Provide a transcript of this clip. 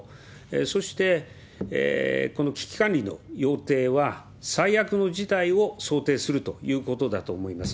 そして、この危機管理のようていは、最悪の事態を想定するということだと思います。